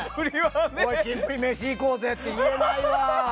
おい、キンプリ飯行こうぜって言えないわ。